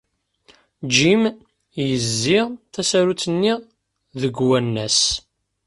Jim yezzi tasarut-nni deg wanas.